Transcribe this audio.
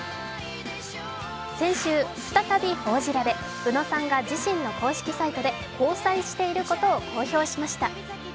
先週、再び報じられ、宇野さんが自身の公式サイトで交際していることを公表しました。